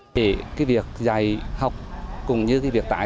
để việc dạy học cùng với việc tải